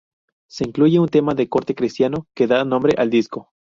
Se incluye un tema de corte cristiano que da nombre al disco.